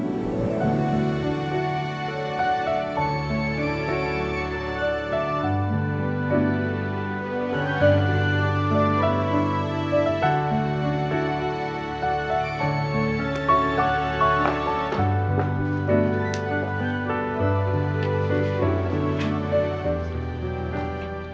aku sudah menanggungmu